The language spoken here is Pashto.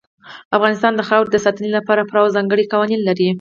افغانستان د خاورې د ساتنې لپاره پوره او ځانګړي قوانین لري.